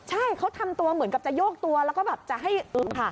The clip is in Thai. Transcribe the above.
ใช่เขาทำตัวเหมือนกับจะโยกตัวแล้วก็แบบจะให้อึกค่ะ